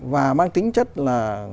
và mang tính chất là